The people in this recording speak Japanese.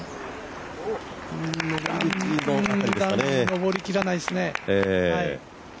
上りきらないですね。